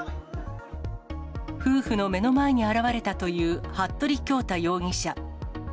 夫婦の目の前に現れたという服部恭太容疑者。